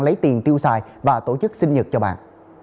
lấy tiền tiêu xài và tổ chức sinh nhật cho bạn